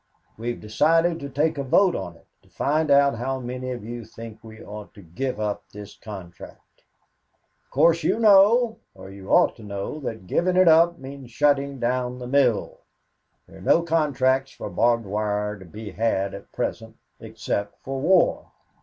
We have decided to take a vote on it, to find out how many of you think we ought to give up this contract. "Of course you know or you ought to know that giving it up means shutting down the mill. There are no contracts for barbed wire to be had at present, except for war.